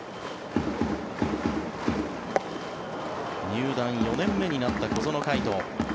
入団４年目になった小園海斗。